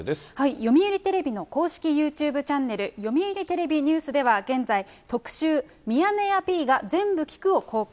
読売テレビの公式ユーチューブチャンネル、読売テレビニュースでは現在、特集、ミヤネ屋Ｐが全部聞くを公開。